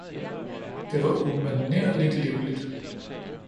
Det var umanerligt livligt